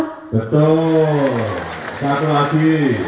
betul satu lagi